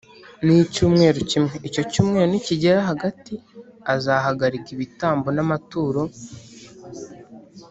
Ni icyumweru kimwe icyo cyumweru nikigera hagati azahagarika ibitambo n’amaturo